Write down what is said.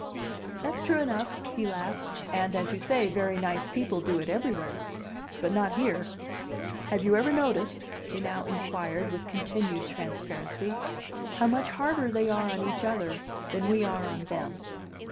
"That's true enough," he laughed. "And, as you say, very nice people do it everywhere. But not here. Have you ever noticed," he now inquired with continued transparency, "how much harder they are on each other than we are on them?"